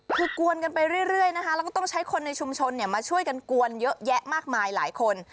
คือกวนกันไปเรื่อยนะคะแล้วก็ต้องใช้คนในชุมชนมาช่วยกันกวนเยอะแยะมากมายหลายคน